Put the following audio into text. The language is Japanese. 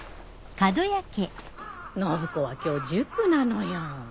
信子は今日塾なのよ。